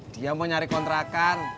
dia mau nyari kontrakan